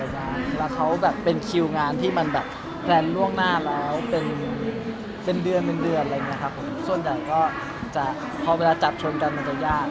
เวลาเขาเป็นคิวงานที่มันแพลนล่วงหน้าแล้วเป็นเดือนส่วนใหญ่พอเวลาจับชนกันมันจะยาก